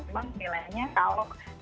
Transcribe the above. memang nilainya kalau